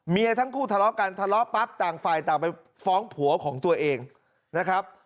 ทั้งคู่ทะเลาะกันทะเลาะปั๊บต่างฝ่ายต่างไปฟ้องผัวของตัวเองนะครับ